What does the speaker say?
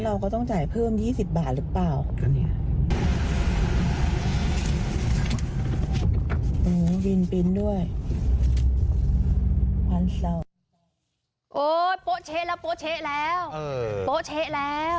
โอ้ยโตไปแล้วโตไปว้า